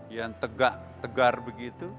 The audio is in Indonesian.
yang tegak tegar begitu